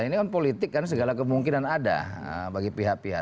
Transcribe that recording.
yang belum ada bagi pihak pihak